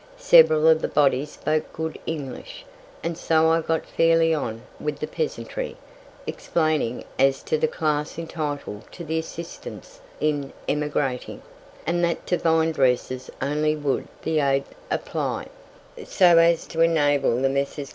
Several of the body spoke good English, and so I got fairly on with the peasantry, explaining as to the class entitled to the assistance in emigrating, and that to vinedressers only would the aid apply, so as to enable the Messrs.